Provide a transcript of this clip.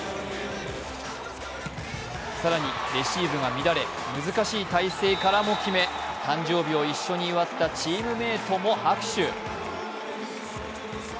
更に、レシーブが乱れ、難しい体勢からも決め、誕生日を一緒に祝ったチームメートも拍手。